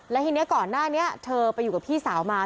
และทีนี้ก่อนหน้านี้เธอไปอยู่กับพี่สาวมา